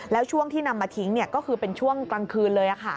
แล้วช่วงที่นำมาทิ้งก็คือเป็นช่วงกลางคืนเลย